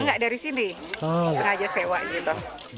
enggak dari sini sengaja sewa gitu